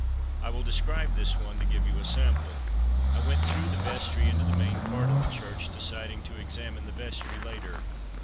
I will describe this one to give you a sample. I went through the vestry into the main part of the church, deciding to examine the vestry later.